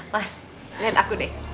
mas lihat aku deh